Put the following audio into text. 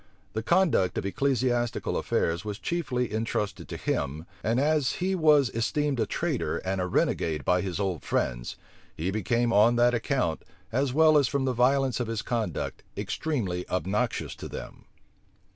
The conduct of ecclesiastical affairs was chiefly intrusted to him; and as he was esteemed a traitor and a renegade by his old friends, he became on that account, as well as from the violence of his conduct, extremely obnoxious to them.